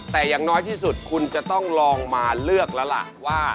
แต่อย่างน้อยที่สุดคุณจะต้องลองมาเลือกแล้วล่ะว่า